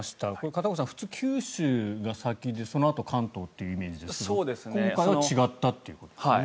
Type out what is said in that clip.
片岡さん、普通、九州が先でそのあと関東というイメージですが今回は違ったということですね。